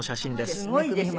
すごいですね。